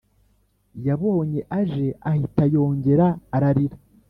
Yabonye aje ahita yongera ararira